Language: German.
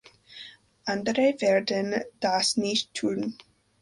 Andere werden das nicht tun.